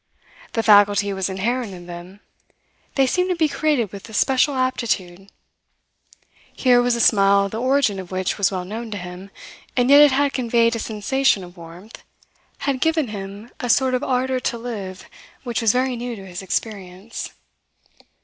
The faculty was inherent in them; they seemed to be created with a special aptitude. Here was a smile the origin of which was well known to him; and yet it had conveyed a sensation of warmth, had given him a sort of ardour to live which was very new to his experience.